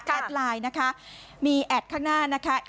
ไลน์นะคะมีแอดข้างหน้านะคะ